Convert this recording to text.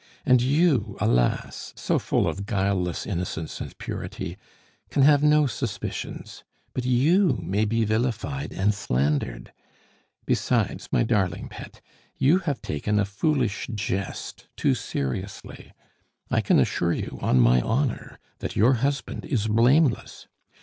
And you, alas! so full of guileless innocence and purity, can have no suspicions; but you may be vilified and slandered. Besides, my darling pet, you have taken a foolish jest too seriously. I can assure you, on my honor, that your husband is blameless.